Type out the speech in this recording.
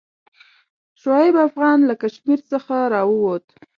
شعیب افغان له کشمیر څخه راووت.